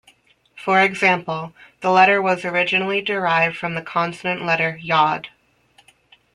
For example, the letter was originally derived from the consonant letter "yod".